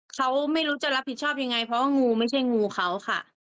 เขาไม่รู้จะรับผิดชอบยังไงเพราะว่างูไม่ใช่งูเขาค่ะ